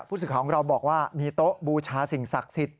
สื่อของเราบอกว่ามีโต๊ะบูชาสิ่งศักดิ์สิทธิ